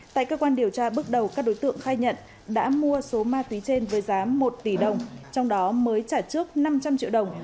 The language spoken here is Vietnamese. tại cơ quan điều tra bước đầu các đối tượng khai nhận đã mua số ma túy trên với giá một tỷ đồng trong đó mới trả trước năm trăm linh triệu đồng